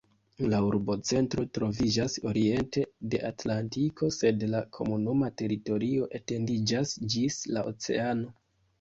La urbocentro troviĝas oriente de Atlantiko, sed la komunuma teritorio etendiĝas ĝis la oceano.